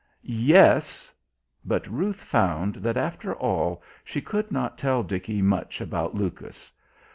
"Yes " But Ruth found that, after all, she could not tell Dickie much about Lucas.